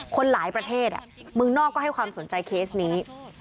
คนหลายประเทศเมืองนอกก็ให้ความสนใจเคสนี้